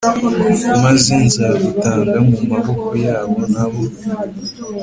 Maze nzagutanga mu maboko yabo na bo